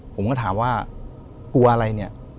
ผมก็ถามว่ากลัวอะไรเนี่ย